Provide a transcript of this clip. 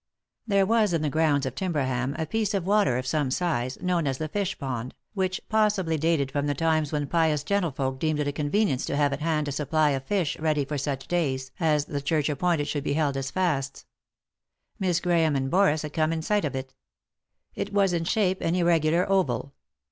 There was in the grounds of Timberham a piece of water of some size, known as the fishpond, which possibly dated from the times when pious gentlefolk deemed it a convenience to have at hand a supply of fish ready for such days as the Church appointed should be held as fasts. Miss Grahame and Boris had come in sight of it. It was in shape an irregular oval.